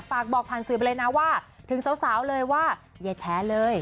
ฝากบอกผ่านสื่อไปเลยนะว่าถึงสาวเลยว่าอย่าแชร์เลย